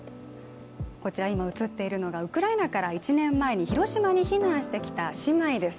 今、映っているのがウクライナから１年前に広島に避難してきた姉妹です。